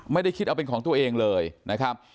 ไม่ได้คิดเอาเป็นของตัวเองเลยนะครับ